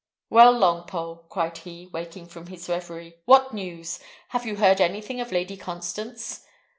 "Well, Longpole," cried he, waking from his reverie, "what news? Have you heard anything of Lady Constance?"